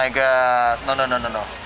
tidak tidak tidak